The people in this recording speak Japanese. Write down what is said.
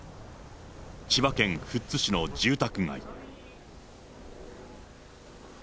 千葉県富津市の住宅街。